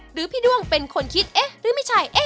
หรือพี่ด้วงเป็นคนคิดเอ๊ะหรือไม่ใช่เอ๊ะ